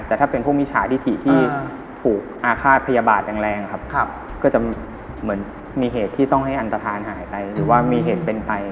แต่ถ้าเป็นพวกมิจฉาดิถีที่ถูกอาฆาตพยาบาทแรงครับก็จะเหมือนมีเหตุที่ต้องให้อันตฐานหายไปหรือว่ามีเหตุเป็นไป